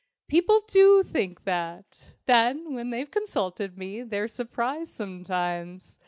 "People do think that! Then, when they've consulted me, they're surprised sometimes.